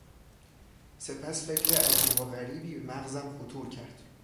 سپس فکر عجیب و غریبی به مغزم خطور کرد.